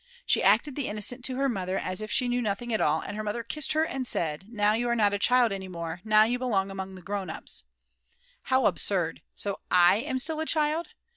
She acted the innocent to her mother, as if she knew nothing at all, and her mother kissed her and said, now you are not a child any more, now you belong among the grown ups. How absurd, so I am still a child!